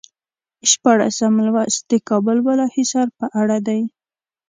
شپاړسم لوست د کابل بالا حصار په اړه دی.